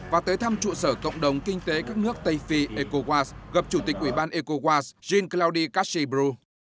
và tới thăm trụ sở cộng đồng kinh tế các nước tây phi ecowas gặp chủ tịch ủy ban ecowas jean claude caché bru